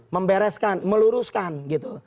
membereskan meluruskan gitu